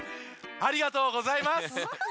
ありがとうございます。